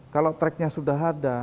kalau tracknya sudah ada